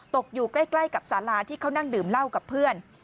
ตกอยู่ใกล้กับสาราที่เขานั่งดื่มเหล้ากับเพื่อน